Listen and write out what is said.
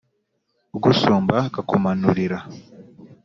Ugusumba arakumanurira.